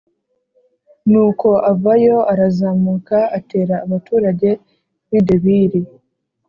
Nuko avayo arazamuka atera abaturage b’i Debiri